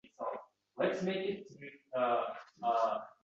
Biz farzandlar u kishini bilmaganmiz.